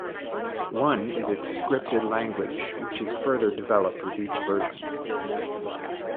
One is its scripting language which is further developed with each version.